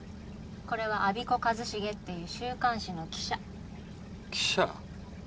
これは我孫子和重っていう週刊誌の記者記者？